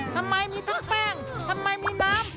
ทำไมมีทั้งแป้งทำไมมีน้ำ